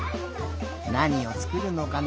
なにをつくるのかな？